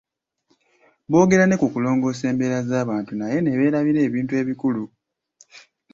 Bogera ne ku kulongoosa embeera z'abantu naye ne beerabira ebintu ebikulu.